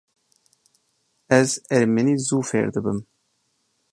Ez ermenî zû fêr dibim.